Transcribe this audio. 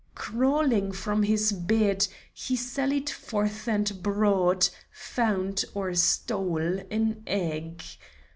Crawling from his bed, he sallied forth and bought, found, or stole an egg.